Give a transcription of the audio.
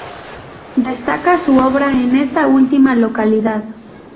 Destaca su obra en esta última localidad.